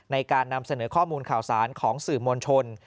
ในการนำเสนอข้อมูลข่าวสารของสื่อมวลชน